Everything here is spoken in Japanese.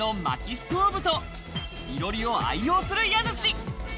ストーブと囲炉裏を愛用する家主。